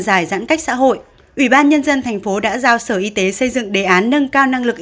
giải giãn cách xã hội ủy ban nhân dân thành phố đã giao sở y tế xây dựng đề án nâng cao năng lực